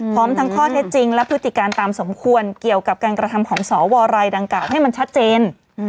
พร้อมทั้งข้อเท็จจริงและพฤติการตามสมควรเกี่ยวกับการกระทำของสวรายดังกล่าวให้มันชัดเจน